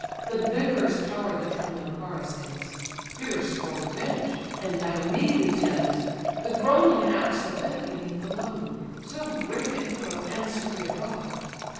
The vigorous power the trembling car ascends, Fierce for revenge; and Diomed attends: The groaning axle bent beneath the load; So great a hero, and so great a god.